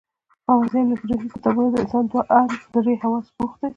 کاغذي او الکترونیکي کتابونه د انسان دوه او ان درې حواس بوخت ساتي.